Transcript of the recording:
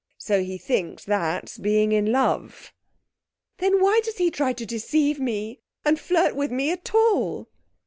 So he thinks that's being in love.' 'Then why does he try to deceive me and flirt with me at all?'